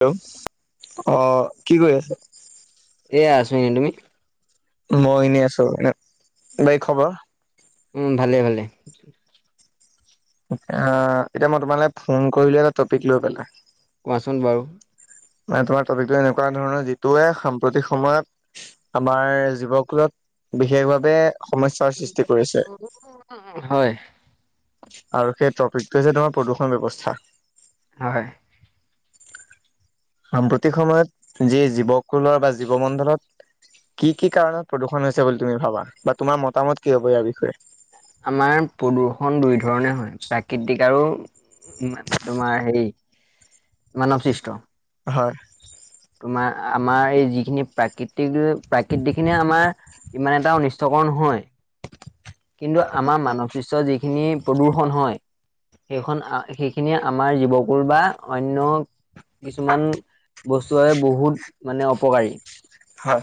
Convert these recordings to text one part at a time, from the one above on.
Hello আহ কি কৰি আছে? এয়া আছো এনে তুমি মই এনেই আছো এনে বাকি খবৰ,। উম ভালে ভালে। এতিয়া মই তোমালৈ ফোন কৰিলে এটা টপিক লৈ পেলাই। কোৱাচোন বাৰু। মানে তোমাৰ টপিকটো এনেকুৱা ধৰণৰ যিটোৱে সাম্প্ৰতিক সময়ত আমাৰ জীৱকুলত বিশেষভাৱে সমস্যাৰ সৃষ্টি কৰিছে। হয়। আৰু সেই টপিকটো হৈছে তোমাৰ প্ৰদূষণ ব্যৱস্থা। হয়। সাম্প্ৰতিক সময়ত যি জীৱকুলৰ বা জীৱ মণ্ডলত কি কি কাৰণত প্ৰদূষণ হৈছে বুলি তুমি ভাবা? বা তোমাৰ মতামত কি হব ইয়াৰ বিষয়ে? আমাৰ প্ৰদূৰষন দুই ধৰণে হয়। কৃটিক আৰু তোমাৰ হেৰি মানৱ সৃষ্ট হয়। তোমাৰ আমাৰ এই যিখিনি প্ৰাকৃতিক প্ৰাকৃতিক খিনিয়ে আমাৰ ইমান এটা অনিষ্টকৰ নহয়। কিন্তু আমাৰ মানৱ সৃষ্টৰ যিখিনি প্ৰদুৰষণ হয়, সেইখন সেইখিনিয়ে আমাৰ জীৱকুল বা অন্য কিছুমান বস্তুৱে বহুত মানে অপকাৰী। হয়।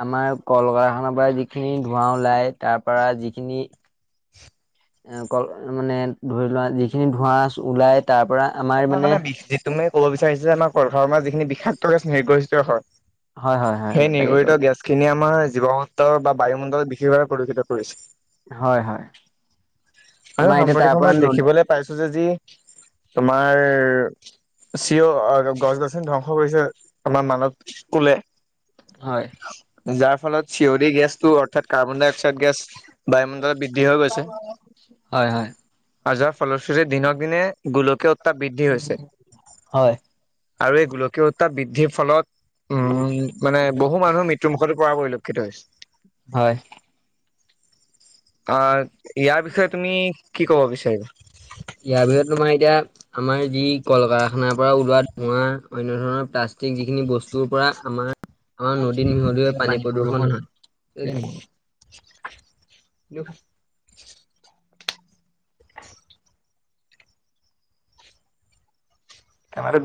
আমাৰ কলকাৰখানাৰ পৰা যিখিনি ধোঁৱা ওলাই, তাৰ পৰা যিখিনি এ ক মানে ধৰি লোৱা যিখিনি ধোঁৱা ওলাই তাৰ পৰা আমাৰ মানে তাৰপিছত আমাৰ কলকাৰখানাৰ পৰা যিখিনি বিষাক্ত গেছ নিৰ্গৰিত হয় হয় হয় হয় সেই তাকে ক নিৰ্গৰিত গেছ খিনি আমাৰ জীৱসত্ৰৰ বা বায়ুমণ্ডল বিশেষভাৱে প্ৰদূষিত কৰিছে। হয় হয় আৰু তোমাৰ এতিয়া সাম্প্ৰতিক তাৰ পৰা সময়ত ন দেখিবলে পাইছো যে যি তোমাৰ চিও গছ গছনি ধ্বংস কৰিছে আমাৰ মানৱ কুলে হয়। যাৰ ফলত চিঞৰি গেছটো অৰ্থাৎ কাৰ্বন ডাই অক্সাইড গেছ বায়ুমণ্ডলত বৃদ্ধি হৈ গৈছে। হয়। ফলশ্ৰুতে দিনক দিনে গোলকীয় উ হয়। আৰু এই গোলকীয় উত্তাপ বৃদ্ধিৰ ফলত উম মানে বহু মানুহ মৃত্যু মুুখতো পৰা পৰি ক্ষিত হৈছে। হয়। অ ইয়াৰ বিষয়ে তুমি কি কব বিচাৰিবা? ইয়াৰ ভিতৰত তোমাৰ এতিয়া আমাৰ যি কল কাৰখানাৰ পৰা ওলোৱা ধোৱা, অন্য ধৰণৰ প্লাষ্টিক যিখিনি বস্তুৰ পৰা আমাৰ তা আমাৰ নদীত মিহলি হৈ পানী প্ৰদূষণ হয়, [inaudible] ন [unintelligible]